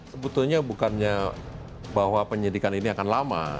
sebetulnya bukannya bahwa penyidikan ini akan lama